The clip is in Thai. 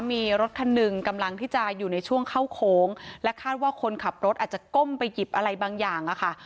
มีรถคันหนึ่งกำลังที่จะอยู่ในช่วงเข้าโค้งและคาดว่าคนขับรถอาจจะก้มไปหยิบอะไรบางอย่างอะค่ะ